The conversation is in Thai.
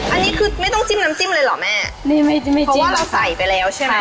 อันนี้คือไม่ต้องจิ้มน้ำจิ้มเลยเหรอแม่นี่ไม่จิ้มเพราะว่าเราใส่ไปแล้วใช่ไหม